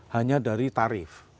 hanya dari tarif